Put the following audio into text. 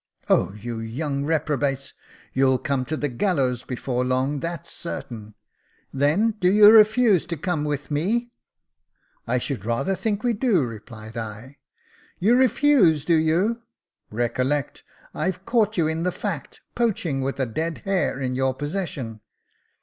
" Oh ! you young reprobates — you'll come to the gallows before long, that's certain. Then, do you refuse to come with me !" 172 Jacob Faithful " I should rather think we do," replied I. " You refuse, do you ? Recollect I've caught you ia the fact, poaching, with a dead hare in your possession."